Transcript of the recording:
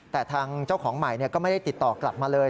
แต่ทางเจ้าของใหม่ก็ไม่ได้ติดต่อกลับมาเลย